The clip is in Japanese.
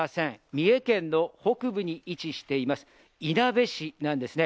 三重県の北部に位置していますいなべ市なんですね。